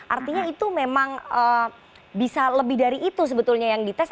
artinya itu memang bisa lebih dari itu sebetulnya yang dites